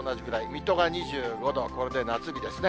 水戸が２５度、これで夏日ですね。